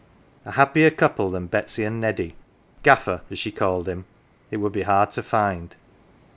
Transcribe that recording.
A happier couple than Betsy and Neddy " Gaffer," as she called him it would be hard to find.